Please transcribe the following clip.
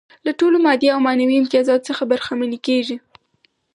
له ټولو مادي او معنوي امتیازاتو څخه برخمنې کيږي.